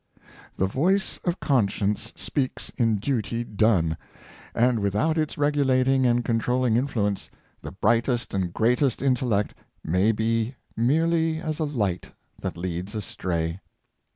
The voice of conscience speaks in duty done, and w^ithout its regulating and controlling influence^ the brightest and greatest intellect may be merely as a light that leads astray.